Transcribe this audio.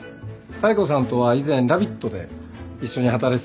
妙子さんとは以前ラビットで一緒に働いてたんです。